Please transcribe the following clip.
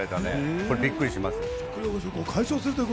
これ、びっくりします。